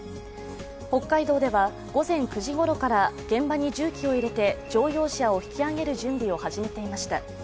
北海道では午前９時ごろから現場に重機を入れて、乗用車を引き上げる準備を始めていました。